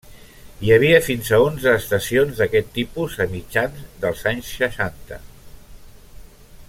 Hi havia fins a onze estacions d'aquest tipus a mitjans dels anys seixanta.